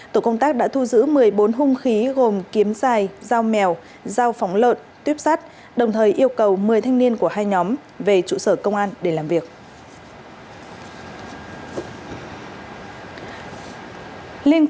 tổ công tác đã thu giữ một mươi bốn hung khí gồm kiếm dài dao mèo dao phóng lợn tuyếp sát đồng thời yêu cầu một mươi thanh niên của hai nhóm về trụ sở công an để làm việc